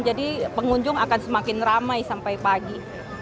jadi pengunjung akan semakin ramai sampai pagi